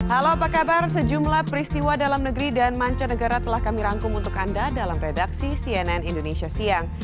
halo apa kabar sejumlah peristiwa dalam negeri dan mancanegara telah kami rangkum untuk anda dalam redaksi cnn indonesia siang